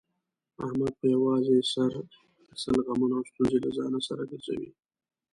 احمد په یووازې سر سل غمونه او ستونزې له ځان سره ګرځوي.